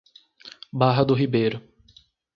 Barra do Ribeiro